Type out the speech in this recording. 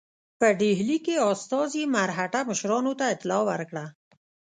په ډهلي کې استازي مرهټه مشرانو ته اطلاع ورکړه.